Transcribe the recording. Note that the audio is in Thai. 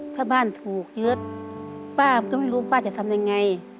ถ้าบ้านถูกยึดป้าก็ไม่รู้ป้าจะทำยังไง